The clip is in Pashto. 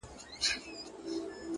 د گلو كر نه دى چي څوك يې پــټ كړي،